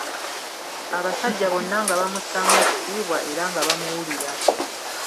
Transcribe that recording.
Abasajja bonna nga bamussaamu ekitiibwa era nga bamuwulira.